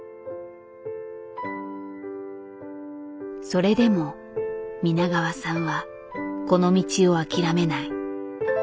それでも皆川さんはこの道を諦めない。